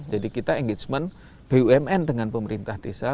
jadi kita engagement bumn dengan pemerintah desa